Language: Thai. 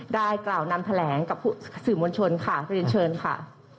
ได้กล่อนำแผลงกับสื่อมวลชนค่ะรับทราบผมขอเรียนเชิญค่ะ